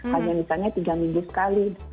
hanya misalnya tiga minggu sekali